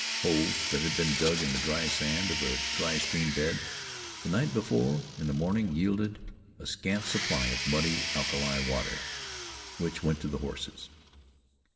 Holes that had been dug in the dry sand of a dry streambed the night before in the morning yielded a scant supply of muddy alkali water, which went to the horses.